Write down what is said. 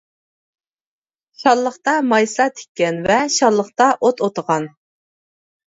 شاللىقتا مايسا تىككەن ۋە شاللىقتا ئوت ئوتىغان.